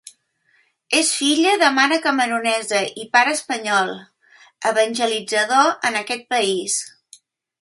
És filla de mare camerunesa i pare espanyol, evangelitzador en aquest país.